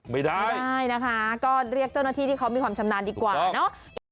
ไม่ได้ใช่นะคะก็เรียกเจ้าหน้าที่ที่เขามีความชำนาญดีกว่าเนอะ